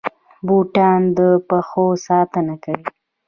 بوټان د پښو ساتنه کوي